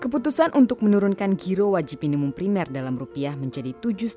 keputusan untuk menurunkan giro wajib minimum primer dalam rupiah menjadi tujuh sembilan